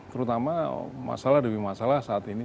terutama masalah demi masalah saat ini